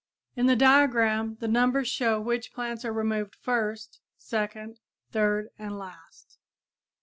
In the diagram the numbers show which plants are removed first, second, third and last.